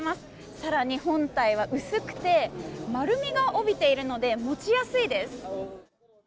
更に、本体は薄くて丸みが帯びているので持ちやすいです。